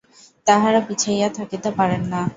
তাঁহারা পিছাইয়া থাকিতে পারেন না।